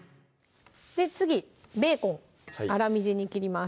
で次ベーコン粗みじんに切ります